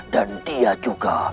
dan dia juga